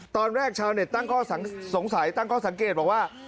ตอนแรกชาวเน็ตตั้งข้อสงสัยตั้งข้อสังเกตบอกว่า